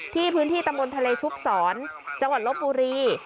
พื้นที่ตำบลทะเลชุบศรจังหวัดลบบุรี